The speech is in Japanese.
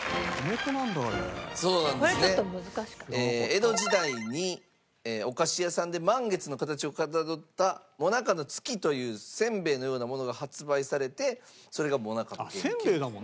江戸時代にお菓子屋さんで満月の形をかたどった「最中の月」という煎餅のようなものが発売されてそれが最中の原型と。